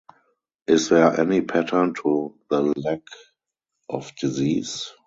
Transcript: Is there any pattern to the lack of disease?